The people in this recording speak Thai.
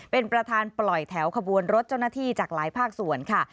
เป็นประธานปล่อยแถวขบวนรถเจ้าหน้าที่จากหลายภาคส่วนค่ะ